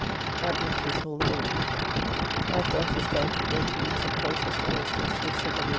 At the office all the morning. After office done, went and eat some Colchester oysters with Sir W.